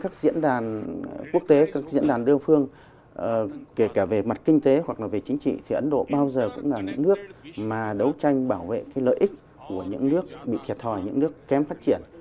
các diễn đàn quốc tế các diễn đàn đa phương kể cả về mặt kinh tế hoặc là về chính trị thì ấn độ bao giờ cũng là những nước mà đấu tranh bảo vệ cái lợi ích của những nước bị thiệt thòi những nước kém phát triển